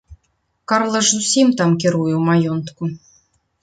Карла ж усім там кіруе ў маёнтку.